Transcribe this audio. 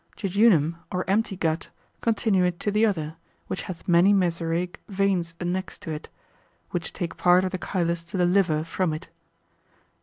Jejunum, or empty gut, continuate to the other, which hath many mesaraic veins annexed to it, which take part of the chylus to the liver from it.